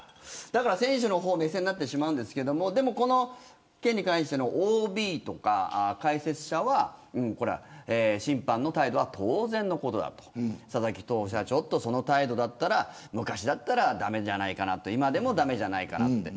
だから選手の目線になってしまうんですけどこの件に関してＯＢや解説者は審判の態度は当然のことだと佐々木投手はちょっとその態度なら昔だったら駄目じゃないか今でも駄目じゃないかって。